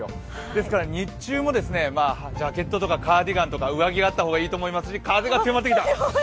ですから日中もジャケットとかカーディガンとか上着があった方がいいと思いますし風が強まってきた。